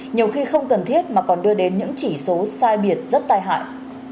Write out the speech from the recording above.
nhiều khi không cần thiết mà còn đưa đến những chỉ số sai biệt rất tai hại